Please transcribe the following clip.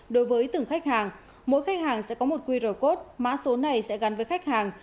đối với từng khách hàng mỗi khách hàng sẽ có một qr code mã số này sẽ gắn với khách hàng